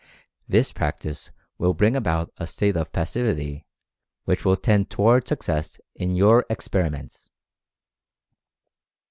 This practice will bring about a state of pas sivity which will tend toward success in your experi ment.